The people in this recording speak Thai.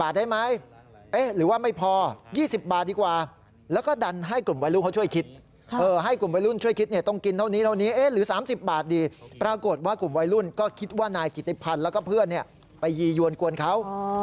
ที่นายจิติพันธ์แล้วก็เพื่อนไปยียวนกวนเขา